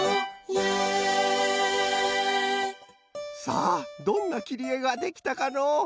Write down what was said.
さあどんなきりえができたかのう？